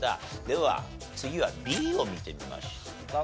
では次はＢを見てみましょう。